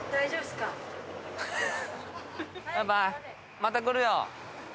「また来るよ」